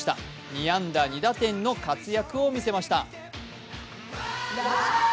２安打２打点の活躍を見せました。